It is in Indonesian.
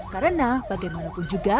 karena bagaimanapun juga